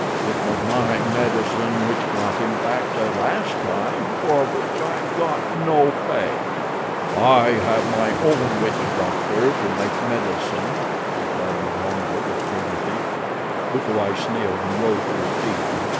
It was my medicine which got him back the last time, for which I got no pay." "I have my own witch doctor to make medicine," replied Mbonga with dignity. Bukawai sneered and rose to his feet.